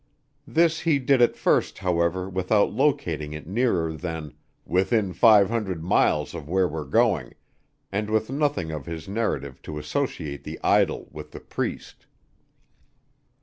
This he did at first, however, without locating it nearer than "Within five hundred miles of where we're going," and with nothing in his narrative to associate the idol with the priest.